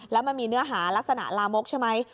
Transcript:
แล้วมันมีเนื้อหารักษณะลามกใช่ไหม